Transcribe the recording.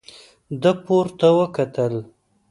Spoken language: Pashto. ده پورته وکتل.